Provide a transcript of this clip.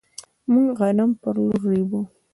موږ غنم په لور ريبو.